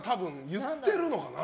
言ってるのかな。